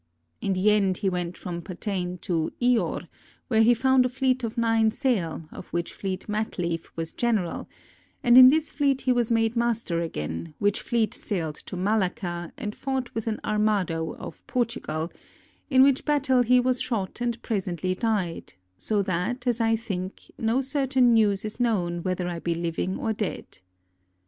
In the end, he went from Patane to lor, where he found a fleet of nine sail, of which fleet Matleef was general, and in this fleet he was made master again, which fleet sailed to Malacca and fought with an armado of Portugal ; in which battle he was shot and presently died; so that, as I think, no certain news is known whether I be living or dead.